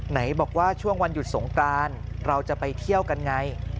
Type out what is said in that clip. ไหนบอกว่าช่วงวันหยุดสงกรานเราจะไปเที่ยวกันไง